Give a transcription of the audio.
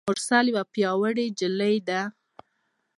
مرسل یوه پیاوړي نجلۍ ده.